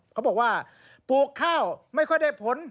เขาบอกว่าปลูกข้าวไม่ค่อยได้ผล